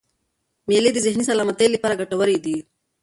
مېلې د ذهني سلامتۍ له پاره ګټوري يي.